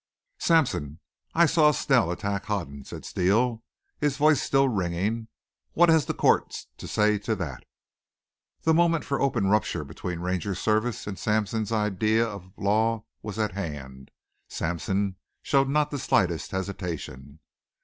"Sampson, I saw Snell attack Hoden," said Steele, his voice still ringing. "What has the court to say to that?" The moment for open rupture between Ranger Service and Sampson's idea of law was at hand. Sampson showed not the slightest hesitation.